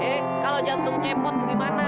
eh kalau jantung cepet bagaimana